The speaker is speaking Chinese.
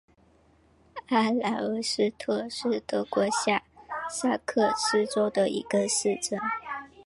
阿莱尔斯特是德国下萨克森州的一个市镇。